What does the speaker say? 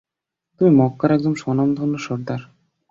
তুমি মক্কার এক স্বনামধন্য সর্দার।